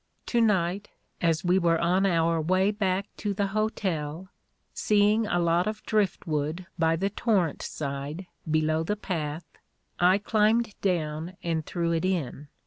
To night, as we were on our way back to the hotel, seeing a lot of driftwood by the torrent side below the path, I climbed down and threw it in.